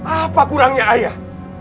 apa kurangnya ayah